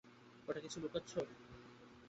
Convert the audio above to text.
ওটায় কিছু লুকাচ্ছো?